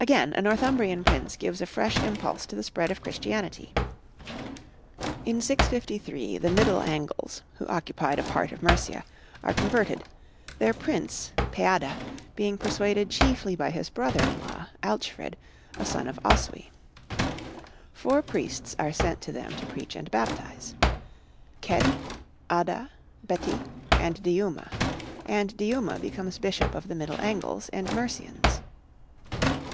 Again, a Northumbrian prince gives a fresh impulse to the spread of Christianity. In 653 the Middle Angles (who occupied a part of Mercia) are converted, their prince, Peada, being persuaded chiefly by his brother in law, Alchfrid, a son of Oswy. Four priests are sent to them to preach and baptize, Cedd, Adda, Betti, and Diuma, and Diuma becomes bishop of the Middle Angles and Mercians.